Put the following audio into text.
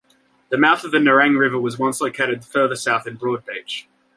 The mouth of the Nerang River was once located further south in Broadbeach.